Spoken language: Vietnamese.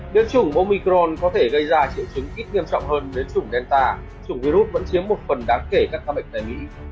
nếu chủng omicron có thể gây ra triệu chứng ít nghiêm trọng hơn đến chủng delta chủng virus vẫn chiếm một phần đáng kể các ca bệnh tại mỹ